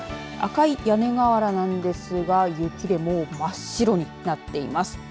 赤い屋根瓦なんですが雪でもう真っ白になっています。